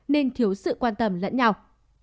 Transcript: nên thiếu sự quan tâm lẫn nhau